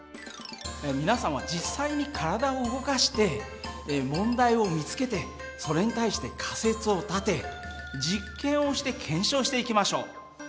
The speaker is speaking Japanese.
皆さんは実際に体を動かして問題を見つけてそれに対して仮説を立て実験をして検証していきましょう。